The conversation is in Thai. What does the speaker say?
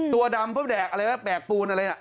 ตัวดำเพราะแดกอะไรแหละแปลกปูนอะไรเนี่ย